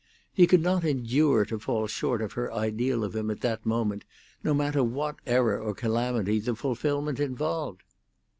He could not endure to fall short of her ideal of him at that moment, no matter what error or calamity the fulfilment involved.